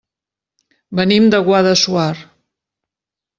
Venim de Guadassuar.